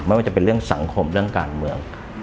ไม่ว่าจะเป็นเรื่องสังคมเรื่องการเมือง